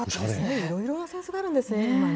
いろいろな扇子があるんですね、今ね。